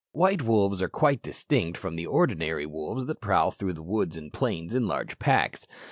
White wolves are quite distinct from the ordinary wolves that prowl through woods and plains in large packs.